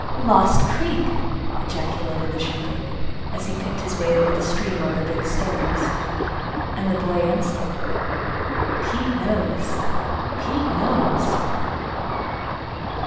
"Lost Creek!" ejaculated the shepherd, as he picked his way over the stream on the big stones. And the boy answered, "Pete knows. Pete knows."